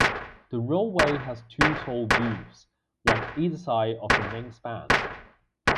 The roadway has two toll-booths, one either side of the main span.